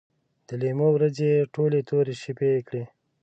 د لیمو ورځې یې ټولې تورې شپې کړې